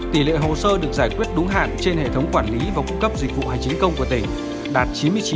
tỷ lệ hồ sơ được giải quyết đúng hạn trên hệ thống quản lý và cung cấp dịch vụ hành chính công của tỉnh đạt chín mươi chín